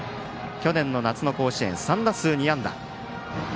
去年の夏の甲子園、３打数２安打。